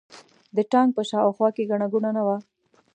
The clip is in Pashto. د تانک په شا او خوا کې ګڼه ګوڼه نه وه.